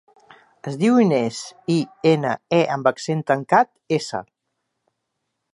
Es diu Inés: i, ena, e amb accent tancat, essa.